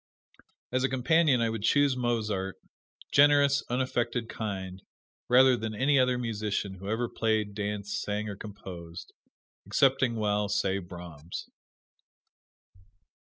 As a companion I would choose Mozart generous, unaffected, kind rather than any other musician who ever played, danced, sang or composed excepting, well, say Brahms.